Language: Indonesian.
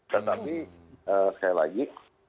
tapi sekali lagi